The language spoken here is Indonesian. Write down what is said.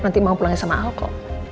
nanti mau pulangin sama aku